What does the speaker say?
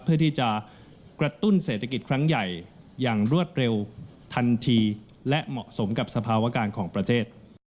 เพื่อที่จะกระตุ้นเศรษฐกิจครั้งใหญ่อย่างรวดเร็วทันทีและเหมาะสมกับสภาวะการของประเทศ